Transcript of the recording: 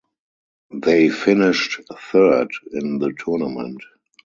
They finished third in the tournament.